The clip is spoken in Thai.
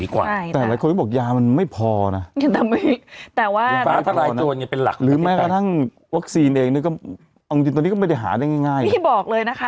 ก็ไม่ได้ง่ายขนาดนั้น